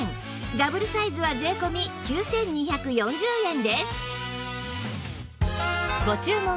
ダブルサイズは税込９２４０円です